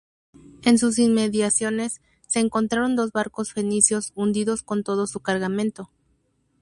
En sus inmediaciones se encontraron dos barcos fenicios hundidos con todo su cargamento.